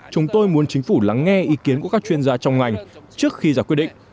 chúng tôi muốn chính phủ lắng nghe ý kiến của các chuyên gia trong ngành trước khi ra quyết định